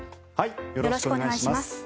よろしくお願いします。